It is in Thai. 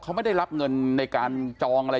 เขาไม่ได้รับเงินในการจองอะไร